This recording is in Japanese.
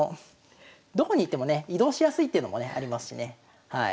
どこに行ってもね移動しやすいっていうのもねありますしね。